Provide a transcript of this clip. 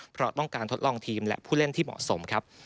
เพราะต้องการทดลองทีมและผู้เล่นที่เหมาะสมครับ